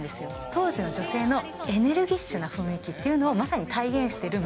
当時の女性のエネルギッシュな雰囲気というのを、まさに体現してる眉。